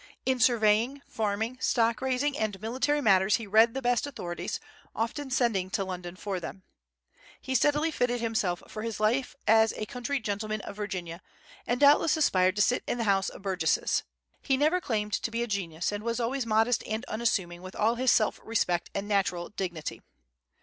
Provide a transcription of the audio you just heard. In surveying, farming, stock raising, and military matters he read the best authorities, often sending to London for them. He steadily fitted himself for his life as a country gentleman of Virginia, and doubtless aspired to sit in the House of Burgesses. He never claimed to be a genius, and was always modest and unassuming, with all his self respect and natural dignity.